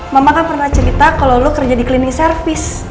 mama kan pernah cerita kalo lo kerja di klinik servis